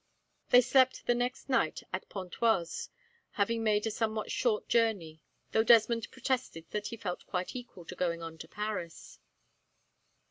They slept the next night at Pontoise, having made a somewhat short journey, though Desmond protested that he felt quite equal to going on to Paris.